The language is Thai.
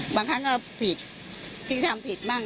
บางครั้งก็ผิดที่ทำผิดบ้าง